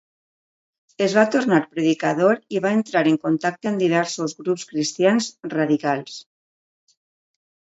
Es va tornar predicador i va entrar en contacte amb diversos grups cristians radicals.